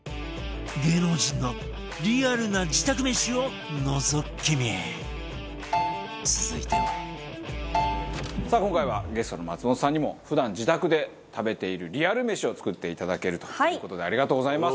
芸能人のリアルな自宅めしをのぞき見続いてはバカリズム：さあ、今回はゲストの松本さんにも普段、自宅で食べているリアルめしを作っていただけるという事でありがとうございます。